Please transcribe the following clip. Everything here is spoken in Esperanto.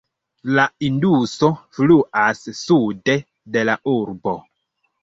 La Induso fluas sude de la urbo.